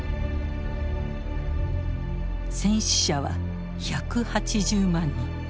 戦死者は１８０万人。